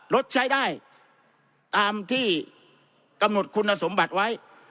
ลดใช้ได้ตามที่กำหนดคุณสมบัติไว้